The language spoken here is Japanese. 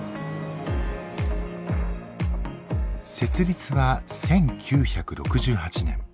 設立は１９６８年。